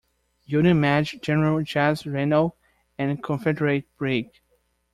Union Maj. General Jesse Reno and Confederate Brig.